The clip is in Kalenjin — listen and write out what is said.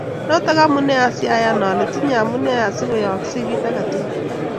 Notok amune asiayani ale tinye amune asiko yaaksey kit ake tukul